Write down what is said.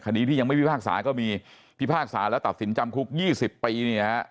ที่ยังไม่พิพากษาก็มีพิพากษาแล้วตัดสินจำคุก๒๐ปีเนี่ยฮะ